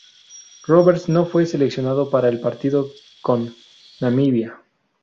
Roberts no fue seleccionado para el partido con Namibia.